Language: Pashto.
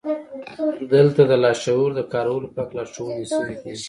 دلته د لاشعور د کارولو په هکله لارښوونې شوې دي